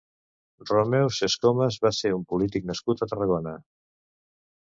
Romeu Sescomes va ser un polític nascut a Tarragona.